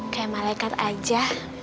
kayak malaikat aja